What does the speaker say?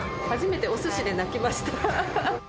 初めておすしで泣きました。